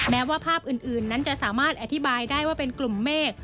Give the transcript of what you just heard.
แม้ว่าภาพอื่นนั้นจะสามารถอธิบายได้ว่าเป็นกลุ่มเมฆ